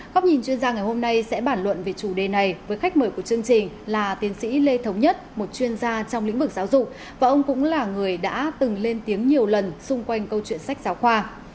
góc nhìn chuyên gia ngày hôm nay sẽ bản luận về chủ đề này với khách mời của chương trình là tiến sĩ lê thống nhất một chuyên gia trong lĩnh vực giáo dục và ông cũng là người đã từng lên tiếng nhiều lần xung quanh câu chuyện sách giáo khoa